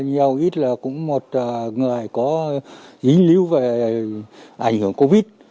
đầu ít là cũng một người có dính lưu về ảnh hưởng covid